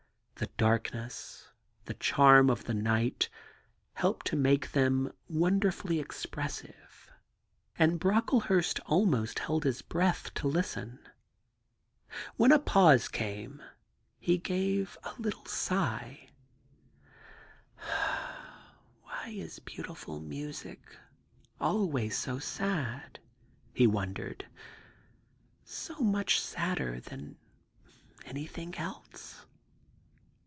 The darkness, the charm of the night, helped to make them wonderfully ex pressive, and Brocklehurst almost held his breath to listen. When a pause came he gave a little sigh. * Why is beautiful music always so sad ?' he wondered ;^ so much sadder than anything else